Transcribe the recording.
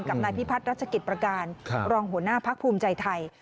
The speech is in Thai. นายพิพัฒน์รัชกิจประการรองหัวหน้าพักภูมิใจไทย